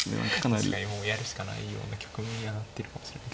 確かにもうやるしかないような局面にはなってるかもしれない。